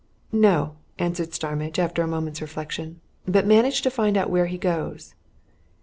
"No," answered Starmidge after a moment's reflection, "but manage to find out where he goes."